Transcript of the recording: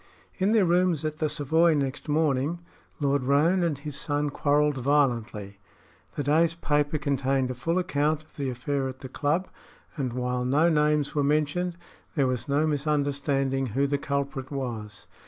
In their rooms at the Savoy next morning Lord Roane and his son quarreled violently. The day's paper contained a full account of the affair at the club, and while no names were mentioned, there was no misunderstanding who the culprit was.